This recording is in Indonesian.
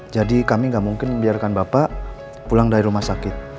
jadi kami gak mungkin biarkan bapak pulang dari rumah sakit